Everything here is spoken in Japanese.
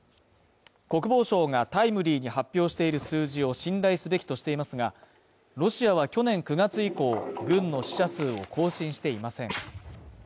国防省がタイムリーに発表している数字を信頼すべきとしていますが、ロシアは去年９月以降、軍の死者数を更新していません。